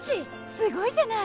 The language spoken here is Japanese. すごいじゃない！